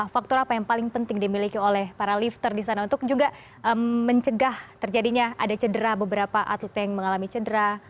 faktor apa yang paling penting dimiliki oleh para lifter di sana untuk juga mencegah terjadinya ada cedera beberapa atlet yang mengalami cedera